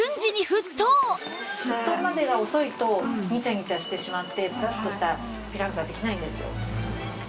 沸騰までが遅いとニチャニチャしてしまってパラッとしたピラフができないんですよ。